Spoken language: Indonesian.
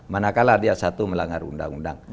mana kalah dia satu melanggar undang undang